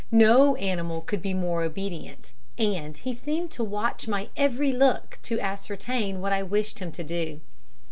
No animal could be more obedient; and he seemed to watch my every look to ascertain what I wished him to do.